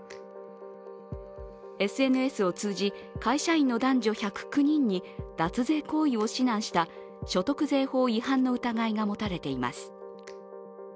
ＳＮＳを通じ、会社員の男女１０９人に脱税行為を指南した所得税法違反の疑いが持たれています。